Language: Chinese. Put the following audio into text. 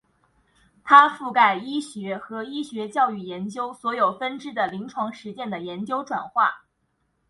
它涵盖医学和医学教育研究所有分支的临床实践的研究转化。